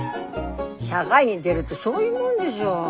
社会に出るってそういうもんでしょ。